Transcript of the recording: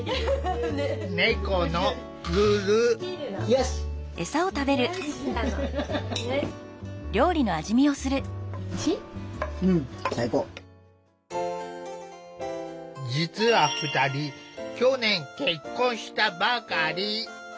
猫の実は２人去年結婚したばかり。